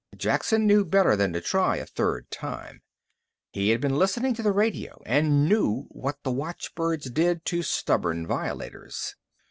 Jackson knew better than to try a third time. He had been listening to the radio and he knew what the watchbirds did to stubborn violators.